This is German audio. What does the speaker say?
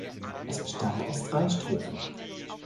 Es bestand aus drei Strophen.